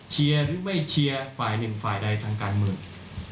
หรือไม่เชียร์ฝ่ายหนึ่งฝ่ายใดทางการเมือง